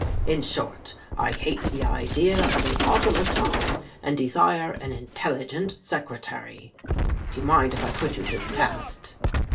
In short, I hate the idea of an automaton and desire an intelligent secretary. Do you mind if I put you to the test?